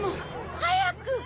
早く！